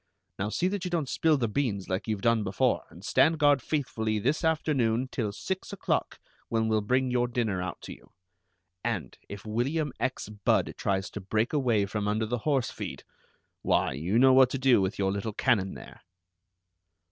Now see that you don't spill the beans, like you've done before, and stand guard faithfully this afternoon till six o'clock, when we'll bring your dinner out to you, and if William X. Budd tries to break away from under the horse feed, why, you know what to do with your little cannon there!"